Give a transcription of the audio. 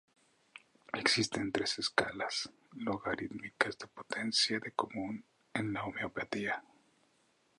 Existen tres escalas logarítmicas de potencia de común en la homeopatía.